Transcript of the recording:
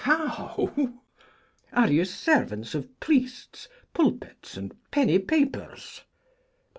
How? Are you servants of priests, pulpits, and penny papers?